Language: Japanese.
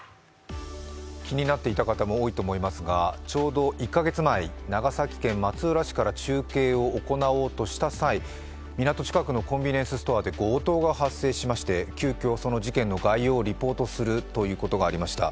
気になっていた方も多いと思いますがちょうど１か月前、長崎県松浦市から中継を行おうとした際港近くのコンビニエンスストアで強盗が発生しまして急きょその事件の概要をリポートするということがありました。